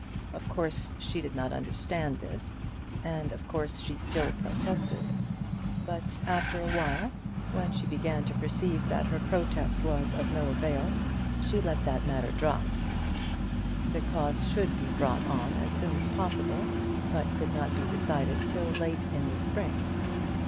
Of course, she did not understand this, and, of course, she still protested; but after a while, when she began to perceive that her protest was of no avail, she let that matter drop. The cause should be brought on as soon as possible, but could not be decided till late in the spring.